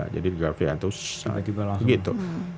jadi grafiknya tuh sangat gitu